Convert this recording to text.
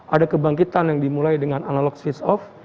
ada kebangkitan yang dimulai dengan analog swiss off